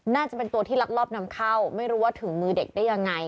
น่าจะเป็นตัวที่ลักลอบนำเข้าไม่รู้ว่าถึงมือเด็กได้ยังไง